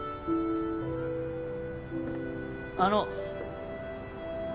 あの！